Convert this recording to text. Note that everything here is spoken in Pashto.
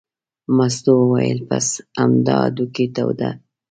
مستو وویل: بس همدا هډوکي تودوه.